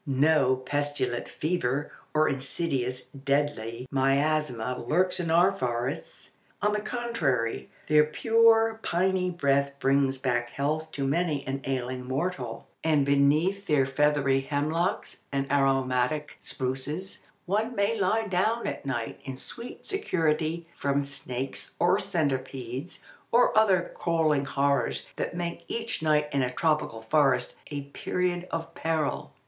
No pestilent fever or insidious deadly miasma lurks in our forests. On the contrary, their pure, piny breath brings back health to many an ailing mortal, and beneath their feathery hemlocks and aromatic spruces one may lie down at night in sweet security from snakes, or centipedes, or other crawling horrors that make each night in a tropical forest a period of peril.